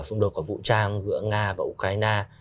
xung đột của vũ trang giữa nga và ukraine